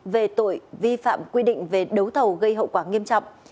về tội vi phạm quy định về đấu thầu gây hậu quả nghiêm trọng